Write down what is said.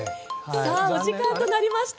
お時間となりました。